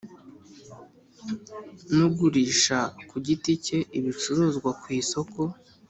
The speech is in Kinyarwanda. N ugurisha ku giti cye ibicuruzwa ku isoko